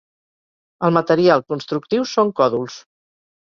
El material constructiu són còdols.